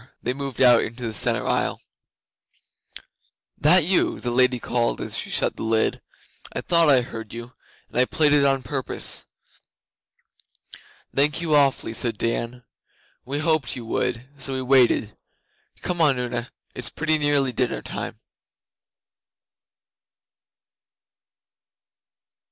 They moved out into the centre aisle. 'That you?' the Lady called as she shut the lid. 'I thought I heard you, and I played it on purpose.' 'Thank you awfully,' said Dan. 'We hoped you would, so we waited. Come on, Una, it's pretty nearly dinner time.